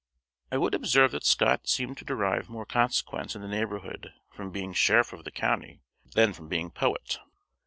I would observe that Scott seemed to derive more consequence in the neighborhood from being sheriff of the county than from being poet.